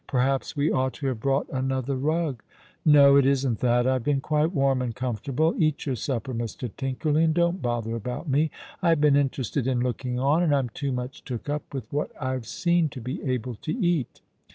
" Perhaps we ought to have brought another rug ?"*' No, it isn't that. I've been quite warm and comfortable. Eat your supper, Mr. Tinkerly, and don't bother about me. I've been interested in looking on, and I'm too much took up with what I've seen to be able to eat."